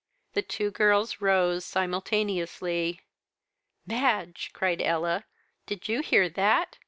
'" The two girls rose simultaneously. "Madge," cried Ella, "did you hear that?